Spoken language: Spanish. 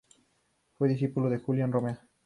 Fue discípulo de Julián Romea.